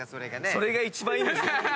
それが一番いいんですよ。